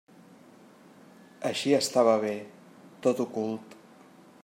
Així estava bé: tot ocult.